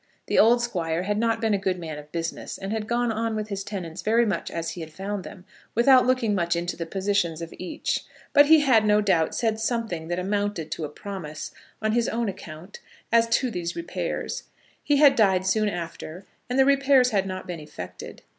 The old Squire had not been a good man of business, and had gone on with his tenants very much as he had found them, without looking much into the position of each. But he had, no doubt, said something that amounted to a promise on his own account as to these repairs. He had died soon after, and the repairs had not been effected.